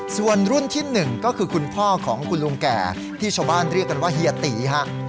ส่วนรุ่นที่๑ก็คือคุณพ่อของคุณลุงแก่ที่ชาวบ้านเรียกกันว่าเฮียตีฮะ